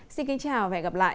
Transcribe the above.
xin kính chào và hẹn gặp lại